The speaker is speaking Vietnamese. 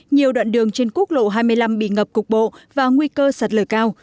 nhiều đoạn đường trên quốc lộ hai mươi năm bị ngập cục bộ và nguy cơ sạt lở cao